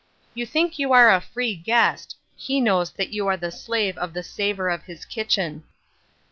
f " You think you are a free guest ; he knows that you are the slave of the savour of his kitchen.